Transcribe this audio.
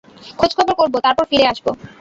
খোঁজখবর করব, তারপর ফিরে আসব।